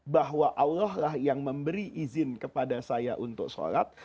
bahwa allah lah yang memberi izin kepada saya untuk sholat